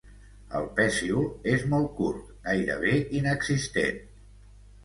El pecíol és molt curt, gairebé inexistent.